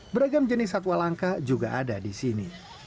beragam jenis satwa langka juga ada di sini